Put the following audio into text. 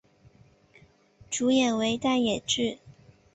主演为大野智。